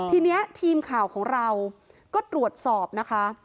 ทีนี้ทีมข่าวของเราก็ตรวจสอบนะคะ